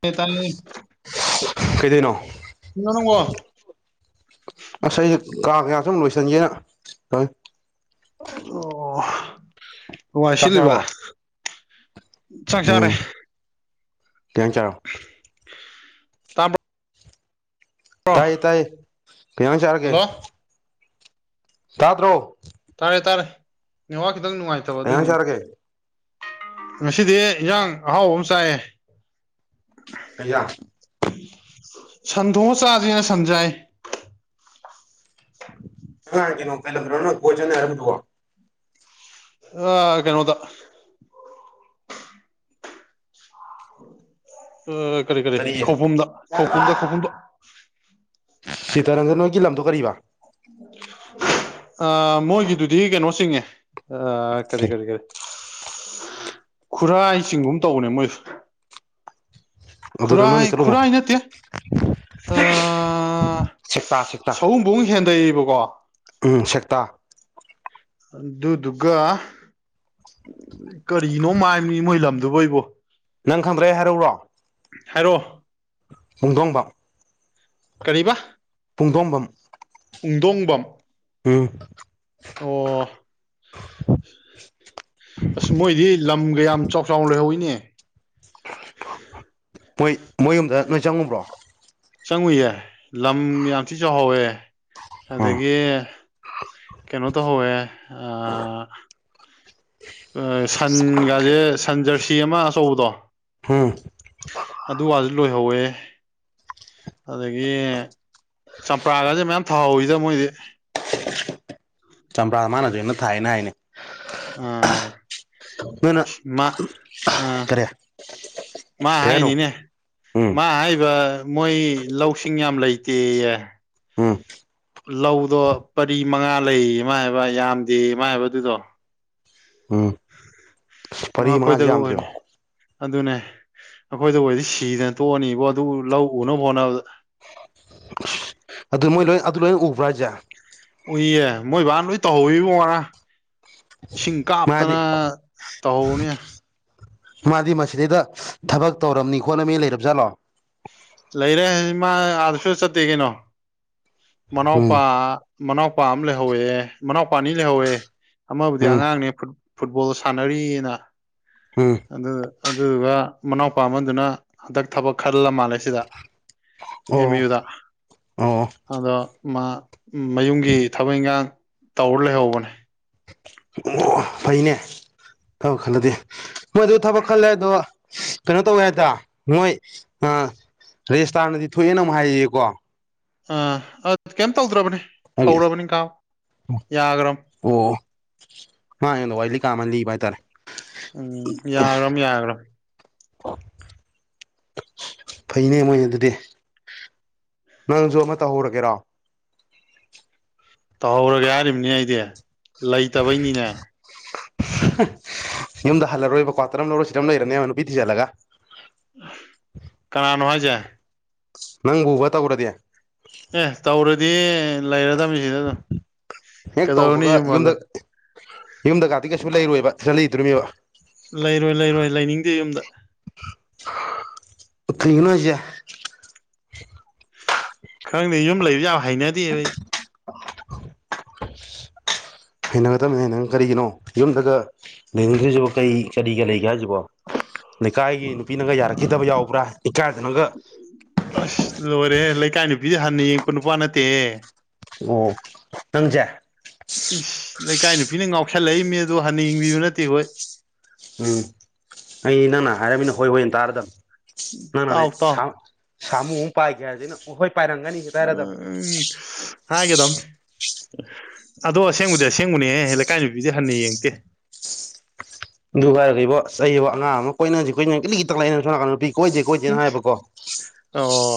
ꯇꯥꯏꯌꯦ ꯇꯥꯏꯌꯦ ꯀꯩꯗꯩꯅꯣ ꯏꯅꯥꯎꯋꯣ ꯑꯁ ꯑꯩ ꯀꯥꯒꯤ ꯉꯥꯛꯇꯪ ꯂꯣꯏꯁꯟꯒꯦꯅ ꯇꯧꯏ ꯑꯣ ꯋꯥꯏ ꯆꯥꯛ ꯁꯤꯠꯂꯤꯕ ꯆꯥꯔꯕꯣ ꯆꯥꯛ ꯆꯥꯔꯦ ꯎꯝ ꯀꯩꯌꯥꯡ ꯆꯥꯔꯕ ꯇꯥꯕ꯭ꯔꯣ ꯇꯥꯏꯌꯦ ꯇꯥꯏꯌꯦ ꯀꯩ ꯌꯥꯡ ꯆꯥꯔꯒꯦ ꯍꯜꯂꯣ ꯇꯥꯗ꯭ꯔꯣ ꯇꯥꯔꯦ ꯇꯥꯔꯦ ꯅꯦꯠꯋꯥꯛ ꯈꯤꯇꯪ ꯅꯨꯡꯉꯥꯏꯇꯕ ꯀꯩ ꯏꯟꯖꯥꯡ ꯑꯗꯨꯏꯅꯤꯅꯦ ꯆꯥꯔꯒꯦ ꯉꯁꯤꯗꯤ ꯏꯟꯖꯥꯡ ꯑꯍꯥꯎꯕꯝ ꯆꯥꯏꯌꯦ ꯀꯩꯌꯥ ꯁꯟ ꯊꯣꯡꯑ ꯆꯥꯖꯦꯅ ꯁꯟ ꯆꯥꯏꯌꯦ ꯅꯪ ꯉꯍꯥꯟ ꯀꯩꯅꯣ ꯀꯩ ꯂꯝꯗꯅꯣ ꯅꯪꯅ ꯀꯣꯏ ꯆꯠꯅꯤ ꯍꯥꯏꯔꯝꯕꯗꯨꯕꯣ ꯑꯥ ꯀꯩꯅꯣꯗ ꯑ ꯀꯔꯤ ꯀꯔꯤ ꯈꯧꯄꯨꯝꯗ ꯈꯧꯄꯨꯝꯗ ꯈꯧꯄꯨꯝꯗ ꯁꯤꯇꯥꯔꯟꯖꯟ ꯍꯣꯏꯒꯤ ꯂꯝꯗꯣ ꯀꯔꯤꯕꯥ ꯑꯥ ꯃꯣꯏꯒꯤꯗꯨꯗꯤ ꯀꯩꯅꯣ ꯆꯤꯡꯉꯦ ꯑꯥ ꯀꯔꯤ ꯀꯔꯤ ꯀꯔꯤ ꯈꯨꯔꯥꯏ ꯆꯤꯡꯒꯨꯝ ꯇꯧꯕꯅꯦ ꯃꯣꯏꯗꯨ ꯑꯗꯨꯗ ꯅꯣꯏꯅ ꯈꯨꯔꯥꯏ ꯆꯠꯂꯨꯃꯣ ꯈꯨꯔꯥꯏ ꯅꯠꯇꯦ ꯑꯥ ꯁꯦꯛꯇꯥ ꯁꯦꯛꯇꯥ ꯁꯥꯋꯨꯝꯕꯨꯡ ꯍꯦꯟꯗꯩꯌꯦꯕꯀꯣ ꯎꯝ ꯁꯦꯛꯇ ꯑꯗꯨꯗꯨꯒ ꯀꯔꯤꯅꯣꯝ ꯍꯥꯏꯕꯅꯤ ꯃꯣꯏ ꯂꯝꯗꯨꯕꯣ ꯑꯩꯕꯣ ꯅꯪ ꯈꯪꯗ꯭ꯔꯦ ꯑꯩ ꯍꯥꯏꯔꯛꯎꯔꯣ ꯍꯥꯏꯔꯛꯑꯣ ꯄꯨꯡꯗꯣꯡꯕꯝ ꯀꯔꯤ ꯕꯥ ꯄꯨꯡꯗꯣꯝꯕꯝ ꯄꯨꯡꯗꯣꯡꯕꯝ ꯎꯝ ꯑꯣ ꯑꯁ ꯃꯣꯏꯗꯤ ꯂꯝꯒ ꯌꯥꯝ ꯆꯥꯎ ꯆꯥꯎꯅ ꯂꯩꯍꯧꯏꯅꯦ ꯃꯣꯏ ꯃꯣꯏ ꯌꯨꯝꯗ ꯅꯣꯏ ꯆꯪꯉꯨꯕ꯭ꯔꯣ ꯆꯪꯉꯨꯏꯌꯦ ꯂꯝ ꯌꯥꯝ ꯊꯤ ꯆꯥꯎꯍꯧꯋꯦ ꯑꯥ ꯑꯗꯒꯤ ꯀꯩꯅꯣ ꯇꯧꯍꯧꯋꯦ ꯑ ꯑ ꯁꯟꯒꯁꯦ ꯁꯟ ꯖꯔꯁꯤ ꯑꯃ ꯑꯆꯧꯕꯗꯣ ꯍꯨꯝ ꯑꯗꯨ ꯋꯥꯁꯨ ꯂꯣꯏꯍꯧꯋꯦ ꯑꯗꯒꯤ ꯆꯝꯄ꯭ꯔꯥꯒꯥꯁꯦ ꯃꯌꯥꯝ ꯐꯍꯧꯋꯤꯗ ꯃꯣꯏꯗꯤ ꯆꯝꯄ꯭ꯔꯥ ꯃꯥꯅꯁꯨ ꯑꯩꯟꯗ ꯊꯥꯏꯌꯦꯅ ꯍꯥꯏꯅꯦ ꯑꯥ ꯅꯣꯏꯅ [unintelligible] ꯃꯥ ꯑꯥ ꯀꯔꯤ ꯃꯥ ꯀꯩ ꯍꯥꯏꯅꯣ ꯍꯥꯏꯅꯤꯅꯦ ꯎꯝ ꯃꯥ ꯍꯥꯏꯕ ꯃꯣꯏ ꯂꯧꯁꯤꯡ ꯌꯥꯝ ꯂꯩꯇꯦꯌꯦ ꯎꯝ ꯂꯧꯗꯣ ꯄꯔꯤ ꯃꯉꯥ ꯂꯩꯌꯦꯌꯦ ꯃꯥ ꯍꯥꯏꯕ ꯌꯥꯝꯗꯦꯌꯦ ꯃꯥ ꯍꯥꯏꯕ ꯑꯗꯨꯗꯣ ꯎꯝ ꯃꯔꯤ ꯃꯥ ꯃꯉꯥꯁꯤ ꯈꯣꯏꯗꯒ ꯑꯣꯏꯅꯤ ꯌꯥꯝꯗ꯭ꯔꯦꯕ ꯑꯗꯨꯅꯦ ꯑꯩꯈꯣꯏꯗꯒ ꯑꯣꯏꯔꯗꯤ ꯁꯤꯗꯅ ꯇꯣꯛꯑꯅꯤꯕꯣ ꯑꯗꯨ ꯂꯧ ꯎꯅꯕ ꯍꯣꯠꯅꯕꯗ ꯑꯗꯨ ꯃꯣꯏ ꯂꯣꯏ ꯑꯗꯨ ꯂꯣꯏ ꯎꯕ꯭ꯔꯥ ꯍꯥꯏꯖꯦ ꯎꯏꯌꯦ ꯃꯣꯏ ꯕꯥꯅ ꯂꯣꯏ ꯇꯧꯍꯧꯏꯕꯣ ꯉꯔꯥꯡ ꯏꯁꯤꯡ ꯃꯥꯗꯤ ꯀꯥꯞꯇꯅ ꯇꯧꯍꯧꯕꯅꯦ ꯃꯥꯗꯤ ꯃꯁꯤꯗꯩꯗ ꯊꯕꯛ ꯇꯧꯔꯝꯅꯤ ꯈꯣꯠꯅꯝꯅꯤ ꯂꯩꯔꯕ ꯖꯥꯠꯂꯣ ꯂꯩꯔꯦ ꯃꯥ ꯑꯥꯗ ꯁꯨꯆꯠ ꯆꯠꯇꯦ ꯀꯩꯅꯣ ꯎꯝ ꯃꯅꯥꯎꯄꯥ ꯃꯅꯥꯎꯄꯥ ꯑꯃ ꯂꯩꯍꯧꯋꯦ ꯃꯅꯥꯎꯄꯥ ꯑꯅꯤ ꯂꯩꯍꯧꯋꯦ ꯑꯃꯕꯨꯗꯤ ꯎꯝ ꯑꯉꯥꯡꯅꯦ ꯐꯨꯠꯕꯣꯜ ꯁꯥꯟꯅꯔꯤꯑꯅ ꯍꯝ ꯑꯗꯨ ꯑꯗꯨꯗꯨꯒ ꯃꯅꯥꯎꯄꯥ ꯑꯃꯗꯨꯅ ꯍꯟꯗꯛ ꯊꯕꯛ ꯈꯜꯂ ꯃꯥꯜꯂꯦ ꯁꯤꯗ ꯑꯦꯝ ꯑꯣ ꯌꯨꯗ ꯑꯣ ꯑꯗꯣ ꯃꯥ ꯃꯌꯨꯝꯒꯤ ꯊꯕꯛ ꯏꯟꯈꯥꯡ ꯇꯧꯔ ꯂꯩꯍꯧꯕꯅꯦ ꯑꯣ ꯐꯩꯅꯦ ꯐꯕ ꯈꯜꯂꯗꯤ ꯃꯣꯏ ꯑꯗꯨ ꯊꯕꯛ ꯈꯜꯂꯦ ꯍꯥꯏꯗꯣ ꯀꯩꯅꯣ ꯇꯧꯋꯦ ꯍꯥꯏꯗ ꯃꯣꯏ ꯑ ꯔꯦꯖꯤꯁꯇꯥꯔꯅꯗꯤ ꯊꯣꯛꯑꯦꯅ ꯑꯃꯨꯛ ꯍꯥꯏꯌꯦꯌꯦꯀꯣ ꯑꯥ ꯑ ꯀꯩꯝ ꯇꯧꯗ꯭ꯔꯕꯅꯦ ꯑꯩ ꯍꯧꯔꯕꯅꯤ ꯀꯥꯎ ꯌꯥꯈ꯭ꯔꯝ [unintelligible] ꯑꯣ ꯃꯥ ꯑꯩꯉꯣꯟꯗ ꯋꯥꯔꯤ ꯂꯤ ꯀꯥꯟꯗ ꯑꯃꯥꯏ ꯂꯤꯕ ꯍꯥꯏꯇꯥꯔꯦ ꯎꯝ ꯌꯥꯒ꯭ꯔꯝꯅꯤ ꯌꯥꯒ꯭ꯔꯝ ꯐꯩꯅꯦ ꯃꯣꯏ ꯑꯗꯨꯗꯤ ꯅꯪꯁꯨ ꯑꯃ ꯇꯧꯍꯧꯔꯒꯦꯔꯣ ꯇꯧꯍꯧꯔꯒꯦ ꯍꯥꯏꯔꯤꯝꯅꯤꯅꯦ ꯑꯩꯗꯤ ꯂꯩꯇꯕꯩꯅꯤꯅꯦ ꯌꯨꯝꯗ ꯍꯜꯂꯔꯣꯏꯕ ꯀ꯭ꯋꯥꯇꯔꯝ ꯑꯃ ꯂꯧꯔ ꯁꯤꯗꯝ ꯂꯩꯔꯅꯦꯕ ꯅꯨꯄꯤ ꯊꯤꯖꯤꯜꯂꯒ ꯀꯅꯥꯅꯣ ꯍꯥꯏꯁꯦ ꯅꯪꯕꯨꯕ ꯇꯧꯔꯗꯦ ꯑꯦ ꯇꯧꯔꯗꯤ ꯂꯩꯔꯗꯝꯃꯤ ꯁꯤꯗ ꯑꯗꯨꯝ ꯍꯦꯛ ꯀꯩꯗꯧꯔꯨꯅꯤ ꯇꯧꯕꯒ ꯌꯨꯝ ꯍꯜꯂꯣꯢ ꯌꯨꯝꯗ ꯀꯥꯗꯤ ꯀꯩꯁꯨ ꯂꯩꯔꯣꯏꯕ ꯁꯤꯗ ꯂꯩꯗꯣꯔꯤꯃꯤꯕ ꯂꯩꯔꯣꯏ ꯂꯩꯔꯣꯏ ꯂꯩꯅꯤꯡꯗꯦ ꯌꯨꯝꯗ ꯀ꯭ꯔꯤꯒꯤꯅꯣ ꯍꯥꯏꯁꯦ ꯈꯪꯗꯦ ꯌꯨꯝ ꯂꯩꯕꯖꯦ ꯌꯥꯝ ꯍꯩꯅꯗꯦꯕ ꯑꯩ ꯍꯩꯅꯒꯗꯕꯅꯤ ꯍꯩꯅ ꯀꯔꯤꯒꯤꯅꯣ ꯌꯨꯝꯗꯒ ꯂꯩꯅꯤꯡꯗ꯭ꯔꯤꯁꯤꯕꯣ ꯀꯔꯤ ꯀꯔꯤꯒ ꯂꯩꯒꯦ ꯍꯥꯏꯁꯤꯕꯣ ꯂꯩꯀꯥꯏꯒꯤ ꯅꯨꯄꯤꯅꯒ ꯌꯥꯔꯛꯈꯤꯗꯕ ꯌꯥꯎꯕ꯭ꯔꯥ ꯏꯀꯥꯏꯗꯅꯒ ꯑꯁ ꯂꯣꯏꯔꯦꯍꯦ ꯂꯩꯀꯥꯏ ꯅꯨꯄꯤꯗꯤ ꯍꯟꯅ ꯌꯦꯡꯉꯛꯄ ꯅꯨꯄꯥ ꯅꯠꯇꯦꯍꯦ ꯑꯣ ꯅꯪꯖꯦ ꯏꯁ ꯂꯩꯀꯥꯏ ꯅꯨꯄꯤꯅ ꯉꯥꯎꯁꯜꯂꯛꯏꯃꯤ ꯑꯗꯣ ꯍꯥꯟꯅ ꯌꯦꯡꯕꯤꯕ ꯅꯠꯇꯦ ꯑꯈꯣꯏ ꯎꯝ ꯑꯩꯗꯤ ꯅꯪꯅ ꯍꯥꯏꯔꯃꯤꯅ ꯍꯣꯏ ꯍꯣꯏꯅ ꯇꯥꯔꯗꯝ ꯅꯪꯅꯅꯦ ꯇꯥꯎ ꯇꯥꯎ ꯁꯥ ꯁꯥꯃꯨ ꯑꯃ ꯄꯥꯏꯒ꯭ꯔꯦ ꯍꯥꯏꯔꯖꯨ ꯑꯩꯅ ꯍꯣꯏ ꯄꯥꯏꯔꯝꯒꯅꯤ ꯍꯥꯏꯔꯗꯕꯅꯤ ꯎꯝ ꯎꯝ ꯍꯥꯏꯒꯗꯝꯅꯤ ꯑꯗꯣ ꯑꯁꯦꯡꯕꯗꯤ ꯑꯁꯦꯡꯕꯅꯦꯍꯦ ꯂꯩꯀꯥꯏ ꯅꯨꯄꯤꯗꯤ ꯍꯟꯅ ꯌꯦꯡꯉꯛꯇꯦ ꯑꯗꯨ ꯍꯥꯏꯔꯒ ꯏꯕꯣ ꯑꯁ ꯑꯩꯕꯣ ꯑꯉꯥꯡ ꯑꯃ ꯀꯣꯏꯅꯖꯤ ꯀꯣꯏꯅꯖꯤ ꯒꯤꯔꯤꯒꯤꯔꯤꯇꯛꯂꯛꯑꯦ ꯑꯩꯅ ꯁꯣꯝꯅꯥꯀꯟꯗ ꯅꯨꯄꯤ ꯀꯣꯏꯗꯦ ꯀꯣꯏꯗꯦꯅ ꯎꯝ ꯍꯥꯏꯕꯀꯣ ꯑꯣ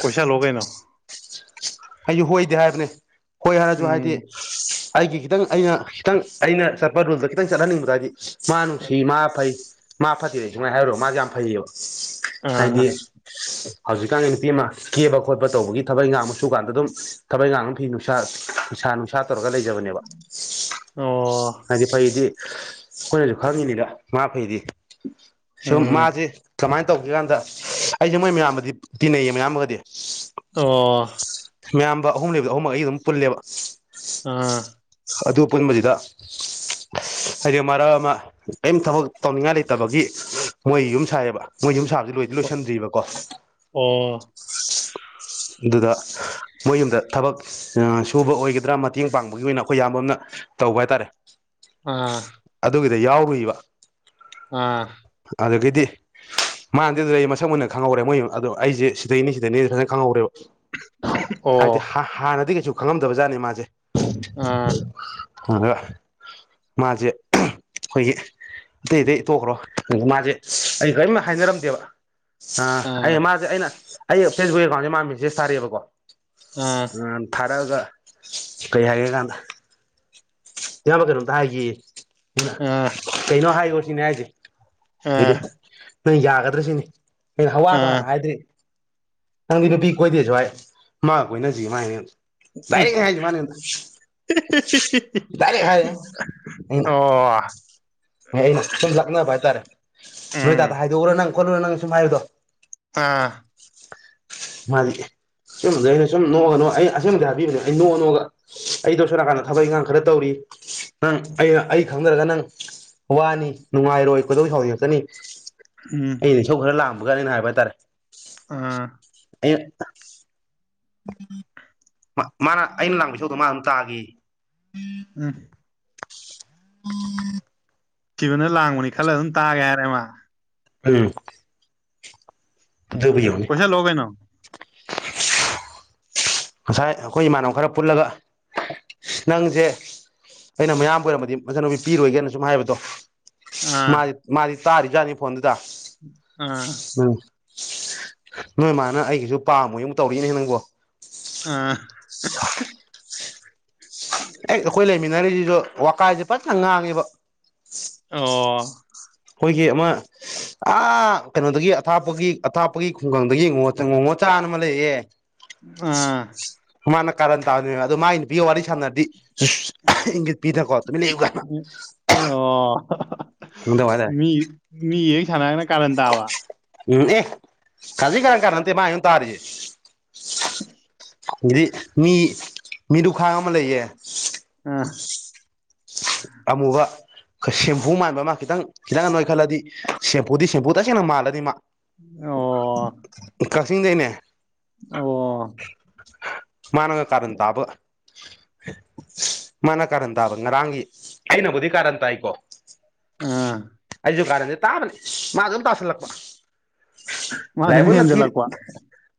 ꯀꯣꯏꯁꯥꯜꯂꯣ ꯀꯩꯅꯣ ꯑꯩꯖꯨ ꯍꯣꯏꯗꯤ ꯍꯥꯏꯕꯅꯦ ꯍꯣꯏ ꯍꯥꯏꯔꯖꯨ ꯍꯥꯏꯗꯤ ꯎꯝ ꯑꯩꯒꯤ ꯈꯤꯇꯪ ꯑꯩꯅ ꯈꯤꯇꯪ ꯑꯩꯅ ꯆꯠꯄ ꯔꯨꯜꯗ ꯈꯤꯇꯪ ꯆꯠꯍꯟꯅꯤꯡꯕꯗꯣ ꯍꯥꯏꯗꯤ ꯃꯥ ꯅꯨꯡꯁꯤ ꯃꯥ ꯐꯩ ꯃꯥ ꯐꯠꯇꯦꯗꯤ ꯁꯨꯡꯍꯥꯏ ꯍꯥꯏꯔꯣꯏ ꯃꯥꯖꯦ ꯌꯥꯝ ꯐꯩꯌꯦꯕ ꯑꯥ ꯍꯥꯏꯗꯤ ꯍꯧꯖꯤꯛꯀꯥꯟꯒꯤ ꯅꯨꯄꯤ ꯑꯃ ꯀꯦꯕ ꯈꯣꯠꯄ ꯇꯧꯕꯒꯤ ꯊꯕꯛ ꯏꯪꯒꯥꯡ ꯁꯨ ꯀꯥꯟꯗ ꯑꯗꯨꯝ ꯊꯕꯩꯒꯥꯡꯅ ꯐꯤ ꯅꯨꯡꯁꯥ ꯅꯨꯡꯁꯥ ꯅꯨꯡꯁꯥ ꯁꯥ ꯇꯧꯔꯒ ꯂꯩꯖꯕꯅꯦꯕ ꯑꯣ ꯍꯥꯏꯗꯤ ꯐꯩꯗꯤ ꯑꯩꯈꯣꯏꯅꯁꯨ ꯈꯪꯉꯤꯅꯤꯗ ꯃꯥ ꯐꯩꯗꯤ ꯁꯨꯝ ꯎꯝ ꯃꯥꯁꯦ ꯀꯃꯥꯏꯅ ꯇꯧꯒꯦ ꯀꯥꯟꯗ ꯑꯩꯖꯦ ꯃꯣꯏ ꯃꯌꯥꯝꯕꯗꯤ ꯇꯤꯟꯅꯩꯌꯦ ꯃꯌꯥꯝꯕꯒꯗꯤ ꯑꯣ ꯃꯌꯥꯝꯕ ꯑꯍꯨꯝ ꯂꯩꯕꯗꯣ ꯑꯍꯨꯝꯃꯛ ꯑꯩꯒ ꯑꯗꯨꯝ ꯄꯨꯜꯂꯦꯕ ꯑꯥ ꯑꯗꯨ ꯄꯨꯟꯕꯖꯤꯗ ꯍꯥꯏꯗꯤ ꯃꯔꯛ ꯑꯃ ꯀꯩꯝ ꯊꯕꯛ ꯇꯧꯅꯤꯡꯉꯥꯏ ꯂꯩꯇꯕꯒꯤ ꯃꯣꯏ ꯌꯨꯝ ꯁꯥꯥꯏꯌꯦꯕ ꯃꯣꯏ ꯌꯨꯝ ꯁꯥꯕꯖꯦ ꯂꯣꯏꯗꯤ ꯂꯣꯏꯁꯤꯟꯗ꯭ꯔꯤꯕꯀꯣ ꯑꯣ ꯑꯗꯨꯗ ꯃꯣꯏ ꯌꯨꯝꯗ ꯊꯕꯛ ꯑꯥ ꯁꯨꯕ ꯑꯣꯏꯒꯗ꯭ꯔꯥ ꯃꯇꯦꯡ ꯄꯥꯡꯕꯒꯤ ꯑꯣꯏꯅ ꯑꯈꯣꯏ ꯏꯌꯥꯝꯕ ꯑꯃꯅ ꯇꯧꯕ ꯍꯥꯏꯇꯔꯦ ꯑꯥ ꯑꯗꯨꯒꯤꯗ ꯌꯥꯎꯔꯨꯏꯕ ꯑꯥ ꯑꯗꯒꯤꯗꯤ ꯃꯥꯟꯗꯤ ꯑꯗꯨꯗꯤ ꯑꯩ ꯃꯁꯛ ꯃꯨꯟꯅ ꯈꯪꯍꯧꯔꯦ ꯃꯣꯏ ꯑꯗꯣ ꯑꯩꯖꯦ ꯁꯤꯗꯩꯅꯤ ꯁꯤꯗꯩꯅꯦꯖꯦ ꯐꯖꯟꯅ ꯈꯪꯍꯧꯔꯦꯕ ꯍꯥꯏꯗꯤ ꯑꯣ ꯍꯥꯟꯅꯗꯤ ꯀꯩꯁꯨ ꯈꯪꯉꯝꯗꯕ ꯖꯠꯅꯤ ꯃꯥꯖꯦ ꯑꯥ ꯑꯗ ꯃꯥꯖꯦ ꯑꯈꯣꯏꯒꯤ ꯑꯇꯩ ꯑꯇꯩ ꯇꯣꯛꯈ꯭ꯔꯣ ꯑꯗ ꯃꯥꯖꯦ ꯑꯩ ꯀꯔꯤꯝ ꯍꯥꯏꯅꯔꯝꯗꯦꯕ ꯑꯥ ꯑꯩ ꯃꯥꯖꯦ ꯑꯩꯅ ꯑꯩ ꯐꯦꯁꯕꯨꯛ ꯑꯦꯀꯥꯎꯟꯖꯦ ꯃꯥꯟ ꯃꯦꯁꯦꯁ ꯊꯥꯔꯛꯑꯦꯕꯀꯣ ꯑꯥ ꯑꯥ ꯊꯔꯛꯑꯒ ꯀꯩ ꯍꯥꯏꯒꯦ ꯀꯥꯟꯗ ꯏꯌꯥꯝꯕ ꯀꯩꯅꯣꯝꯇ ꯍꯥꯏꯒꯦꯌꯦ ꯀꯩꯅꯣ ꯍꯥꯏꯌꯣ ꯁꯤꯅꯦ ꯍꯥꯏꯖꯦ ꯗꯩꯗꯤ ꯑꯥ ꯅꯪ ꯌꯥꯒꯗ꯭ꯔꯥ ꯁꯤꯅꯤ ꯍꯋꯥꯗꯣ ꯑꯥ ꯑꯥ ꯍꯥꯟꯅ ꯍꯥꯏꯗ꯭ꯔꯤ ꯅꯪꯗꯤ ꯅꯨꯄꯤ ꯀꯣꯏꯗꯦꯖꯨ ꯍꯥꯏ ꯃꯒꯥ ꯀꯣꯏꯅꯖꯤ ꯃꯍꯥꯏꯅꯤ ꯑꯩꯉꯣꯟꯗ ꯎꯝ ꯍꯤꯍꯤꯍꯤ [unintelligible] ꯗꯥꯏꯔꯦꯛ ꯍꯥꯏꯅꯤ [unintelligible] ꯑꯣ ꯑꯦ ꯑꯩ ꯁꯨꯝ ꯂꯛꯅꯕ ꯍꯥꯏꯇꯔꯦ ꯅꯣꯏ ꯎꯝ ꯗꯥꯗ ꯍꯥꯏꯗꯣꯛꯎꯔ ꯅꯪ ꯈꯣꯠꯂꯨꯔ ꯅꯪ ꯁꯨꯝ ꯍꯥꯏꯕꯗꯣ ꯑꯥ ꯃꯥꯗꯤ ꯁꯨꯝꯗ ꯑꯩꯅ ꯁꯨꯝ ꯅꯣꯛꯑ ꯅꯣꯛꯑ ꯑꯩ ꯑꯁꯦꯡꯕꯗꯤ ꯍꯥꯏꯕꯤꯕꯅꯦ ꯑꯩ ꯅꯣꯛꯑ ꯅꯣꯛꯑꯒ ꯑꯩꯗꯣ ꯁꯣꯝ ꯅꯥꯀꯥꯟꯗ ꯊꯕꯛ ꯏꯪꯈꯥꯡ ꯈꯔ ꯇꯧꯔꯤ ꯅꯪ ꯑꯩ ꯑꯩ ꯈꯪꯗꯔꯒ ꯅꯪ ꯋꯥꯅꯤ ꯅꯨꯡꯉꯥꯏꯔꯣꯏ ꯈꯣꯏꯗꯧ ꯁꯥꯎꯅꯤꯡꯉꯛꯀꯅꯤ ꯎꯝ ꯑꯩꯅ ꯏꯁꯧ ꯈꯔ ꯂꯥꯡꯕꯒ ꯑꯩꯅ ꯍꯥꯏꯕ ꯍꯥꯏꯇꯥꯔꯦ ꯑꯥ ꯑꯌꯥ [inaudible] ꯃꯥ ꯃꯥꯅ ꯑꯩꯅ ꯂꯥꯡꯕꯤ ꯏꯁꯧꯗꯣ ꯃꯥ ꯑꯗꯨꯝ ꯇꯥꯒꯦꯌꯦ ꯎ ꯅꯨꯡꯁꯤꯕꯅ ꯂꯥꯡꯕꯅꯤ ꯈꯜꯂꯒ ꯑꯗꯨꯝ ꯇꯥꯒꯦ ꯍꯥꯏꯔꯦ ꯃꯥ ꯎꯝ ꯑꯗꯨꯕꯨ ꯌꯦꯡꯉꯨꯅꯦ ꯀꯣꯏꯁꯜꯂꯣ ꯀꯩꯅꯣ ꯉꯁꯥꯏ ꯑꯩꯈꯣꯏ ꯏꯃꯥꯟꯅꯕ ꯈꯔ ꯄꯨꯜꯂꯒ ꯅꯪꯁꯦ ꯑꯩꯅ ꯃꯌꯥꯝꯕ ꯑꯣꯏꯔꯝꯃꯗꯤ ꯃꯆꯟꯅꯨꯄꯤ ꯄꯤꯔꯣꯏꯒꯥꯏꯅ ꯁꯨꯝ ꯍꯥꯏꯕꯗꯣ ꯑꯥ ꯃꯥꯗꯤ ꯃꯥꯗꯤ ꯇꯥꯔꯤꯖꯥꯠꯅꯤ ꯐꯣꯟꯗꯨꯗ ꯑꯥ ꯎꯝ ꯅꯣꯏ ꯃꯥꯅ ꯑꯩꯀꯩꯁꯨ ꯄꯥꯝꯃꯣꯏ ꯑꯅꯥ ꯑꯃꯨꯛ ꯇꯧꯔꯛꯑꯦꯅꯦ ꯅꯪꯕꯣ ꯑꯥ [unintelligible] ꯍꯦꯛ ꯑꯩꯈꯣꯏ ꯂꯩꯃꯤꯟꯅꯔꯤꯖꯤꯖꯨ ꯋꯀꯥꯏꯗꯤ ꯐꯖꯟꯅ ꯉꯥꯡꯉꯦꯕ ꯑꯣ ꯑꯩꯈꯣꯏꯒꯤ ꯑꯃ ꯑꯥ ꯀꯩꯅꯣꯗꯒꯤ ꯑꯊꯥꯞꯄꯒꯤ ꯑꯊꯥꯞꯄꯒꯤ ꯈꯨꯡꯒꯪꯗꯒꯤ ꯉꯣꯉꯣꯆꯥꯅ ꯑꯃ ꯂꯩꯌꯦ ꯑꯥ ꯃꯥꯅ ꯀꯥꯔꯟ ꯇꯥꯕꯅꯦꯕ ꯑꯗꯣ ꯃꯥꯒꯤ ꯅꯨꯄꯤꯒ ꯋꯥꯔꯤ ꯁꯥꯟꯅꯔꯗꯤ ꯁꯨꯠ ꯏꯪꯒꯤꯠ ꯄꯤꯗꯅꯀꯣ ꯇꯨꯃꯤꯟ ꯂꯩꯌꯨ ꯀꯥꯏ ꯑꯦ ꯑꯣ ꯍꯥ ꯍꯥ ꯈꯪꯗꯕ ꯍꯥꯏꯇꯥꯔꯦ ꯃꯤ ꯃꯤꯒꯤ ꯍꯦꯛ ꯁꯥꯟꯅꯔꯒꯅ ꯀꯥꯔꯟ ꯇꯥꯕ ꯎꯝ ꯑꯦ ꯈꯖꯤꯛ ꯈꯔꯥꯛ ꯀꯥꯔꯟꯅ ꯅꯠꯇꯦ ꯃꯥꯅ ꯑꯩꯉꯣꯟꯗ ꯇꯥꯔꯤꯁꯦ ꯑꯗꯩ ꯃꯤ ꯃꯤꯅꯨꯈꯥꯡ ꯑꯃ ꯂꯩꯌꯦ ꯑꯥ ꯑꯃꯨꯕ ꯁꯦꯝꯐꯨ ꯃꯥꯟꯕ ꯑꯃ ꯈꯤꯇꯪ ꯈꯤꯇꯪꯒ ꯅꯣꯏꯈꯠꯂꯗꯤ ꯁꯦꯝꯄꯐꯨꯗꯤ ꯁꯦꯝꯐꯨ ꯇꯁꯦꯡꯅ ꯃꯥꯜꯂꯅꯤ ꯃꯥ [inaudible] ꯑꯣ [inaudible] ꯀꯛꯆꯤꯡꯗꯩꯅꯦ ꯑꯣ ꯃꯥꯅꯒ ꯀꯥꯔꯟ ꯇꯥꯕ ꯃꯥꯅ ꯀꯥꯔꯟ ꯇꯥꯕ ꯉꯔꯥꯡꯒꯤ ꯑꯩꯅꯕꯨꯗꯤ ꯀꯥꯔꯟ ꯇꯥꯏꯀꯣ ꯑꯥ ꯑꯩꯖꯨ ꯀꯥꯔꯟꯖꯦ ꯇꯥꯕꯅꯤ ꯃꯥꯖꯨꯗꯨꯝ ꯇꯥꯁꯜꯂꯛꯄ ꯃꯥ ꯁꯨꯝ ꯂꯥꯏꯕꯛꯅ ꯊꯤꯔꯤ ꯍꯦꯟꯖꯜꯂꯛꯄ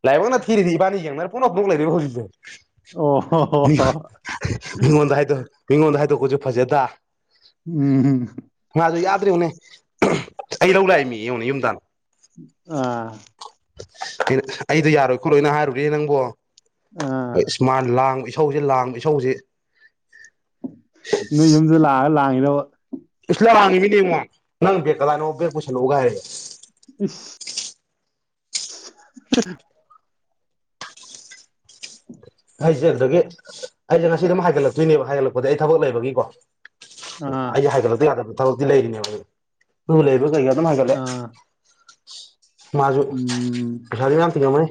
[inaudible] ꯂꯥꯏꯕꯛꯅ ꯊꯤꯔꯤꯗꯤ ꯏꯕꯥꯟꯅꯤ ꯌꯦꯡꯅꯔꯒ ꯄꯪꯅꯣꯛ ꯅꯣꯛ ꯂꯩꯔꯦꯕ ꯍꯧꯖꯤꯛꯁꯦ ꯑꯣ ꯍꯣ ꯍꯣ ꯍꯣ ꯃꯤꯉꯣꯟ ꯃꯤꯉꯣꯟꯗ ꯍꯥꯏꯗꯣ ꯃꯤꯉꯣꯟꯗ ꯍꯥꯏꯗꯣꯛ ꯄꯁꯨ ꯐꯖꯗ ꯎꯝ ꯎꯝ ꯃꯥꯁꯨ ꯌꯥꯗ꯭ꯔꯥ ꯌꯦꯡꯉꯨꯅꯦ ꯑꯩ ꯂꯧ ꯂꯥꯛꯏꯝꯅꯦꯌꯦ ꯌꯦꯡꯉꯨꯅꯦ ꯌꯨꯝ ꯇꯥꯟꯅ ꯑꯥ ꯑꯩꯅ ꯑꯩꯗꯣ ꯌꯥꯔꯣꯏ ꯈꯣꯠꯂꯣꯏꯅ ꯍꯥꯏꯔꯨꯔꯦ ꯅꯪꯕꯣ ꯑ ꯑꯥ ꯑꯁ ꯃꯥꯥꯅ ꯂꯥꯡꯕ ꯏꯁꯧ ꯏꯁꯧꯖꯦ ꯂꯥꯡꯕ ꯏꯧꯁꯧꯖꯦ ꯅꯣꯏ ꯌꯨꯝꯗꯨꯗ ꯂꯥꯛꯑꯒ ꯂꯥꯡꯏꯔꯕ ꯏꯁ ꯂꯥꯡꯢꯅꯤ ꯀꯩꯅꯣ ꯅꯪ ꯕꯦꯛ ꯀꯗꯥꯏꯅꯣ ꯕꯦꯛ ꯄꯨꯁꯜꯂꯛꯑꯣ ꯀꯥꯏ ꯍꯥꯏꯔꯛꯑꯦ ꯏꯁ [unintelligible] ꯍꯥꯏꯖꯈꯔꯒꯦ ꯑꯩꯁꯦ ꯉꯁꯤ ꯑꯗꯨꯝ ꯍꯥꯏꯒꯠꯂꯛꯇꯣꯏꯅꯦꯕ ꯍꯥꯏꯒꯠꯂꯛꯄꯗꯤ ꯑꯩ ꯊꯕꯛ ꯂꯩꯕꯒꯤꯀꯣ ꯑꯥ ꯑꯩ ꯍꯥꯏꯒꯠꯂꯛꯇ ꯌꯥꯗꯕ ꯊꯕꯛꯇꯤ ꯂꯩꯔꯤꯅꯦꯕ ꯑꯗꯨ ꯂꯩꯕꯒ ꯀꯩꯀꯥ ꯑꯗꯨꯝ ꯍꯥꯏꯒꯠꯂꯛꯑꯦ ꯑꯥ ꯃꯥꯁꯨ ꯎꯝ ꯄꯩꯁꯥꯁꯨ ꯌꯥꯝ ꯇꯤꯡꯉꯝꯃꯅꯤ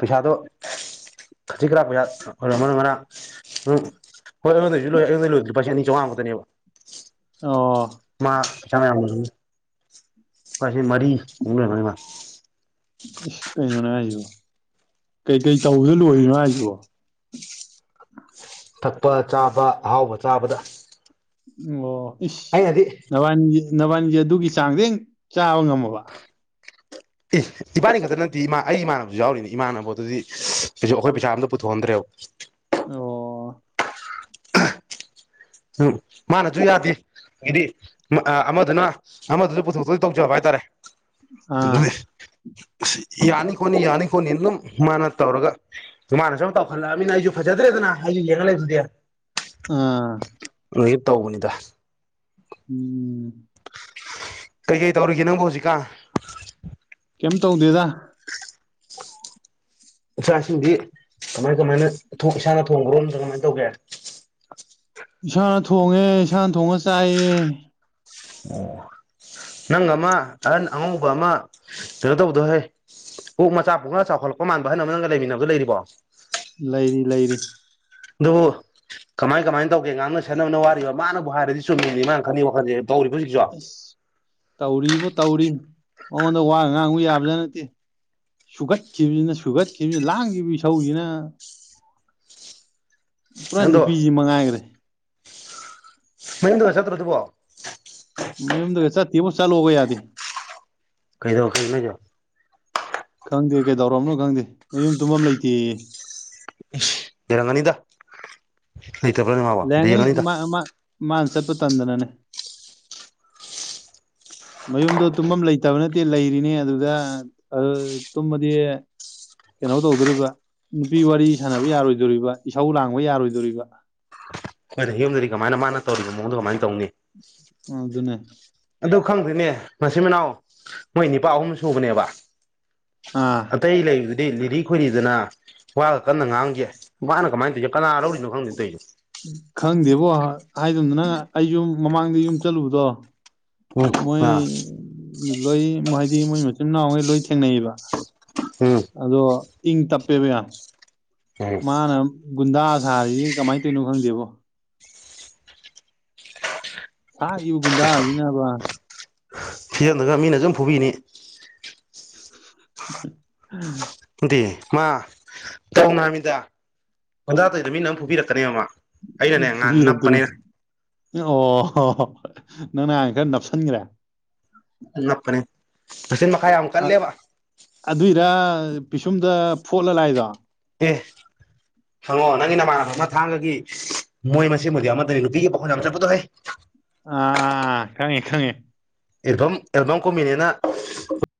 ꯄꯩꯁꯥꯗꯣ ꯈꯖꯤꯛ ꯈꯔꯥꯛ ꯃꯌꯥ ꯑꯣꯏꯔꯝ ꯃꯔꯣꯏ ꯎꯝ ꯍꯣꯏ ꯑꯩꯉꯣꯟꯗꯩꯁꯨ ꯂꯣꯏ ꯑꯩꯉꯣꯟꯗꯩ ꯂꯣꯏꯕꯗꯨꯗꯤ ꯂꯨꯄꯥ ꯂꯤꯁꯤꯡ ꯑꯅꯤ ꯆꯥꯝꯃꯉꯥ ꯃꯨꯛꯇꯅꯦꯕ ꯑꯣ [inaudible] ꯂꯨꯄꯥ ꯂꯤꯁꯤꯡ ꯃꯔꯤ ꯃꯨꯛ ꯂꯩꯔꯝꯒꯅꯤ ꯃꯥ ꯏꯁ ꯀꯩꯅꯣꯅꯦ ꯍꯥꯏꯁꯤꯕꯣ ꯀꯩꯀꯩ ꯇꯧꯕꯗ ꯂꯣꯏꯔꯤꯅꯣ ꯍꯥꯏꯁꯤꯕꯣ ꯊꯛꯄ ꯆꯥꯕ ꯑꯍꯥꯎꯕ ꯆꯥꯕꯗ ꯑꯣ ꯏꯁ ꯑꯩꯅꯗꯤ ꯅꯕꯥꯅꯤ ꯅꯕꯥꯟꯅꯤꯗꯤ ꯑꯗꯨꯒꯤ ꯆꯥꯡꯗꯤꯡ ꯆꯥꯕ ꯉꯝꯃꯕ ꯏ ꯏꯕꯥꯅꯤ ꯈꯛꯇ ꯅꯠꯇꯦ ꯏꯃꯥ ꯑꯩ ꯏꯃꯥꯟꯅꯕꯁꯨ ꯌꯥꯎꯔꯤꯅꯤ ꯏꯃꯥꯟꯅꯕ ꯑꯗꯨꯗꯤ ꯀꯩꯁꯨ ꯑꯩꯈꯣꯏ ꯄꯩꯁꯥꯑꯃꯇ ꯄꯨꯊꯣꯛ ꯍꯟꯗ꯭ꯔꯦꯕ ꯑꯣ ꯎꯝ ꯃꯥꯅꯁꯨ ꯌꯥꯗꯦ ꯍꯥꯏꯗꯤ ꯑꯃꯗꯨꯅ ꯑꯃꯗꯨꯗ ꯄꯨꯊꯣꯛꯇꯣꯏ ꯇꯧꯖꯕ ꯍꯥꯏꯇꯥꯔꯦ ꯑꯥ ꯌꯥꯅꯤ ꯈꯣꯠꯅꯤ ꯌꯥꯅꯤ ꯈꯣꯠꯅꯤ ꯑꯗꯨꯝ ꯃꯥꯅ ꯇꯧꯔꯒ ꯑꯗꯨꯨ ꯃꯥꯅꯁꯨ ꯇꯧꯈꯠꯂꯛꯑꯕꯅꯤꯅ ꯑꯩꯁꯨ ꯐꯖꯗ꯭ꯔꯦꯗꯅ ꯑꯩꯁꯨ ꯌꯦꯡꯉ ꯂꯩꯕꯗꯨꯗꯤ ꯑꯥ ꯑꯗꯒꯤ ꯇꯧꯕꯅꯤꯗ ꯎꯝ ꯀꯩꯀꯩ ꯇꯧꯔꯤꯒꯦ ꯅꯪꯕꯨ ꯍꯧꯖꯤꯛꯀꯥꯟ ꯀꯔꯤꯝ ꯇꯧꯗꯦꯗ ꯆꯥꯛ ꯏꯁꯤꯡꯗꯤ ꯀꯃꯥꯏ ꯀꯃꯥꯏꯅ ꯊꯣꯡ ꯏꯁꯥꯅ ꯊꯣꯡꯕ꯭ꯔꯣ ꯅꯠꯇ꯭ꯔꯒ ꯀꯃꯥꯏꯅ ꯇꯧꯒꯦ ꯏꯁꯥꯅ ꯊꯣꯡꯉꯦ ꯏꯁꯥꯅ ꯊꯣꯡꯉ ꯆꯥꯏꯌꯦ ꯅꯪ ꯑꯃ ꯑꯍꯟ ꯑꯉꯧꯕ ꯑꯃ ꯀꯩꯅꯣ ꯇꯧꯕꯗꯣ ꯍꯦ ꯑꯣꯛ ꯃꯆꯥ ꯄꯛꯈ ꯆꯥꯎꯈꯠꯂꯛꯄ ꯃꯥꯟꯕ ꯑꯍꯟ ꯑꯃ ꯅꯪꯒ ꯂꯩꯃꯤꯟꯅꯕꯗꯣ ꯂꯩꯔꯤꯕꯣ ꯂꯩꯔꯤ ꯂꯩꯔꯤ ꯑꯗꯣ ꯀꯃꯥꯏ ꯀꯃꯥꯏꯅ ꯇꯧꯒꯦ ꯉꯥꯡꯅ ꯁꯛꯅꯕꯅ ꯋꯥꯔꯤꯕ ꯃꯥꯅꯕꯨ ꯍꯥꯏꯔꯗꯤ ꯆꯨꯝꯃꯤꯅꯤ ꯃꯥꯅ ꯈꯜꯂꯤ ꯋꯥꯈꯜꯁꯦ ꯇꯧꯔꯤꯕꯣ ꯍꯧꯖꯤꯛ ꯑꯁ ꯇꯧꯔꯤꯕꯣ ꯇꯧꯔꯤ ꯃꯉꯣꯟꯗ ꯋꯥꯒ ꯉꯥꯡꯉꯨ ꯌꯥꯕꯖꯥꯠ ꯅꯠꯇꯦ ꯁꯨꯒꯠꯈꯤꯕꯁꯤꯅ ꯁꯨꯒꯠꯈꯤꯕꯁꯤꯅ ꯂꯥꯡꯈꯤꯕ ꯏꯁꯧꯁꯤꯅ ꯄꯨꯔꯥ ꯑꯗꯣ ꯅꯨꯄꯤꯁꯤ ꯃꯉꯥꯏꯈ꯭ꯔꯦ ꯃꯌꯨꯝꯗꯒ ꯆꯠꯇ꯭ꯔ ꯑꯗꯨꯕꯣ ꯃꯌꯨꯝꯗꯒ ꯆꯠꯇꯦꯕꯣ ꯆꯂꯣꯕ ꯌꯥꯗꯦ ꯀꯩꯗꯧ ꯀꯩꯅꯣ ꯍꯥꯏꯁꯤꯕꯣ ꯈꯪꯗꯦ ꯀꯩꯗꯧꯔꯝꯅꯣ ꯈꯪꯗꯦ ꯃꯌꯨꯝ ꯇꯨꯝꯐꯝ ꯂꯩꯇꯦꯌꯦ ꯑꯁ ꯂꯩꯔꯝꯒꯅꯤꯗ ꯂꯩꯇꯕ꯭ꯔꯥꯅꯦ ꯃꯥꯕꯣ ꯂꯩꯔꯝꯒꯅꯤ ꯂꯩꯔꯝꯒꯅꯤꯗ ꯃꯥ ꯃꯥ ꯃꯥꯅ ꯆꯠꯄ ꯇꯟꯗꯅꯥꯅꯦ ꯃꯌꯨꯝꯗꯣ ꯇꯨꯝꯐꯝ ꯂꯩꯇꯕ ꯅꯠꯇꯦ ꯂꯩꯔꯤꯅꯤ ꯑꯗꯨꯗ ꯇꯨꯝꯃꯗꯤ ꯀꯩꯅꯣ ꯇꯧꯗꯣꯔꯤꯕ ꯅꯨꯄꯤ ꯋꯥꯔꯤ ꯁꯥꯟꯅꯕ ꯌꯥꯔꯣꯏꯗꯧꯔꯤꯕ ꯏꯁꯧ ꯂꯥꯡꯕ ꯌꯥꯔꯣꯏꯗꯧꯔꯤꯕ ꯍꯣꯏꯅꯦ ꯌꯨꯝꯗꯗꯤ ꯀꯃꯥꯏꯅ ꯃꯥꯅ ꯇꯧꯔꯤꯕ ꯃꯑꯣꯡꯗꯣ ꯀꯃꯥꯏꯅ ꯇꯧꯅꯤ ꯑꯝ ꯑꯗꯨꯅꯦ ꯑꯗꯨ ꯈꯪꯗꯔꯦꯅꯦ ꯃꯆꯤꯟ ꯃꯅꯥꯎ ꯃꯣꯏ ꯅꯤꯄꯥ ꯑꯍꯨꯝ ꯁꯨꯕꯅꯦꯕ ꯑꯥ ꯑꯇꯩ ꯂꯩꯕꯗꯨꯗꯤ ꯂꯤꯔꯤ ꯈꯣꯏꯔꯤꯗꯅ ꯋꯥꯒ ꯀꯟꯅ ꯉꯥꯡꯒꯦ ꯃꯥꯅ ꯀꯃꯥꯏꯅ ꯇꯧꯔꯤꯅꯣ ꯀꯅꯥ ꯂꯧꯔꯤꯅꯣ ꯈꯪꯗꯦ ꯇꯧꯏꯁꯦ ꯈꯪꯗꯦꯕꯣ ꯍꯥꯏꯒꯨꯝꯗ ꯑꯩꯁꯨꯨꯝ ꯃꯃꯥꯡꯗ ꯌꯨꯝ ꯆꯠꯂꯨꯕꯗꯣ ꯎꯝ ꯃꯣꯏ ꯑꯥ ꯂꯣꯏ ꯍꯥꯏꯗꯤ ꯃꯣꯏ ꯃꯆꯤꯟꯅꯥꯎꯈꯩ ꯂꯣꯏ ꯊꯦꯡꯅꯩꯕ ꯎꯝ ꯑꯗꯣ ꯏꯪ ꯇꯞꯄꯦꯕ ꯌꯥꯝ ꯎꯝ ꯃꯥꯅ ꯒꯨꯟꯗꯥ ꯁꯥꯔꯤꯁꯤ ꯀꯃꯥꯏꯅ ꯇꯧꯔꯤꯅꯣ ꯈꯪꯗꯦꯕꯣ ꯁꯥꯒꯤꯕ ꯒꯨꯟꯗꯖꯤꯅꯕ [unintelligible] [unintelligible] ꯅꯠꯇꯦ ꯃꯥ ꯇꯧꯅꯣ ꯍꯥꯏꯃꯤꯗ ꯒꯣꯟꯗ ꯇꯧꯋꯤꯗꯣ ꯃꯤꯅ ꯑꯝ ꯐꯨꯕꯤꯔꯛꯀꯅꯦ ꯃ ꯎꯝ ꯐꯨꯕꯤꯔꯛꯇꯔꯣ ꯑꯣ ꯍꯣ ꯅꯪꯅ ꯍꯥꯟ ꯈꯔ ꯅꯞꯁꯤꯟꯈ꯭ꯔꯦ ꯅꯞꯄꯅꯦ ꯃꯆꯤꯟ ꯃꯈꯥ ꯌꯥꯝ ꯀꯜꯂꯦꯕ ꯑꯗꯨꯏꯔ ꯄꯤꯁꯨꯝꯗ ꯐꯣꯠꯂ ꯂꯥꯛꯏꯗꯣ ꯑꯦ ꯍꯪꯉꯣ ꯅꯪꯒꯤ ꯅꯃꯥꯟꯅ ꯑꯃꯥ ꯊꯥꯡꯒꯒꯤ ꯃꯣꯏ ꯃꯁꯦꯟꯕꯨꯗꯤ ꯑꯃꯇꯅꯤ ꯅꯨꯄꯤꯒꯤ ꯄꯈꯣꯟ ꯌꯥꯝ ꯆꯠꯄꯗꯣ ꯍꯩ ꯑꯥ ꯑꯥ ꯑꯥ ꯈꯪꯉꯦ ꯈꯪꯉꯦ ꯑꯦꯜꯕꯝ ꯑꯦꯜꯕꯝ ꯀꯨꯝꯃꯤꯅꯦꯅ